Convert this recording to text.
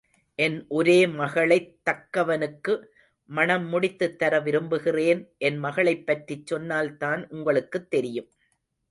என் ஒரே மகளைத் தக்கவனுக்கு மணம் முடித்துத் தர விரும்புகிறேன். என் மகளைப் பற்றிச் சொன்னால்தான் உங்களுக்குத் தெரியும்.